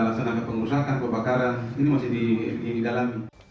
sudah tersangka pengrusakan pembakaran ini masih di dalam